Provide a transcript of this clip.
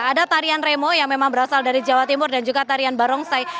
ada tarian remo yang memang berasal dari jawa timur dan juga tarian barongsai